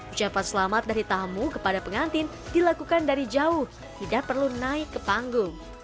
ucapan selamat dari tamu kepada pengantin dilakukan dari jauh tidak perlu naik ke panggung